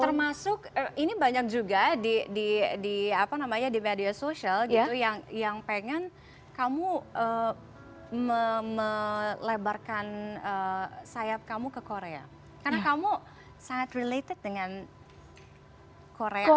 termasuk ini banyak juga di apa namanya di media sosial gitu yang pengen kamu melebarkan sayap kamu ke korea karena kamu sangat related dengan korea